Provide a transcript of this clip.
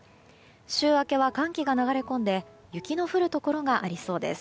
週明けは寒気が流れ込んで雪の降るところがありそうです。